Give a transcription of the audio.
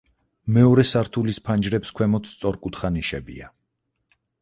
მეორე სართულის ფანჯრებს ქვემოთ სწორკუთხა ნიშებია.